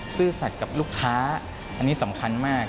ซื่อสัตว์กับลูกค้าอันนี้สำคัญมาก